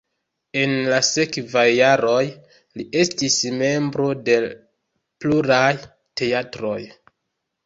En la sekvaj jaroj li estis membro de pluraj teatroj.